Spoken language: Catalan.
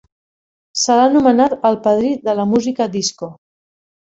Se l'ha anomenat "el Padrí de la música disco".